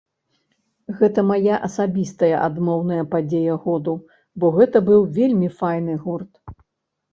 Гэта мая асабістая адмоўная падзея году, бо гэта быў вельмі файны гурт.